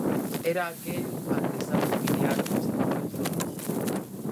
Era aquel artesán familiar dos actuais donos.